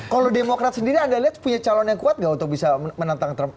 kalau demokrat sendiri anda lihat punya calon yang kuat nggak untuk bisa menantang trump